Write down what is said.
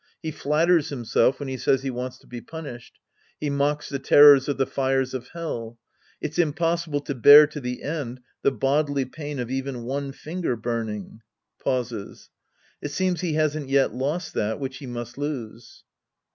He flatters himself when he says he wants to be punished. He mocks the terrors of the fires of Hell. It's impossible to bear to the end the bodily pain of even one finger burning. {Pauses.) It seems he hasn't yet lost that which he must lose.